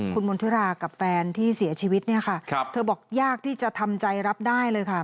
คุณมณฑุรากับแฟนที่เสียชีวิตเนี่ยค่ะเธอบอกยากที่จะทำใจรับได้เลยค่ะ